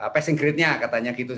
passing grade nya katanya gitu